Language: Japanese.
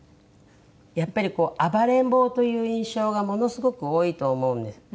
やっぱりこう暴れん坊という印象がものすごく多いと思うんです。